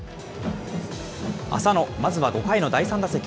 浅野、まずは５回の第３打席。